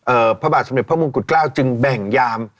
พระบาทสมเด็จพระมงกุฎเกล้าจึงแบ่งยาม